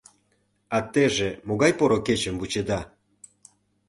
А теже могай поро кечым вучеда?